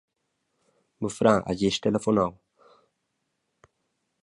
Miu frar ha gest telefonau.